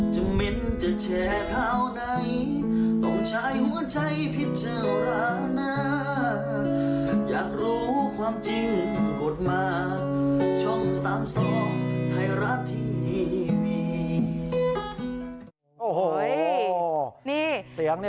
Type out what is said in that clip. จะมิ้นจะแชว์ข่าวในรับฝังใจและสะเตียง